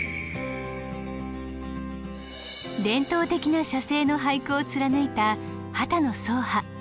伝統的な「写生」の俳句を貫いた波多野爽波。